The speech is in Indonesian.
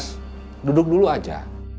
mas duduk dulu aja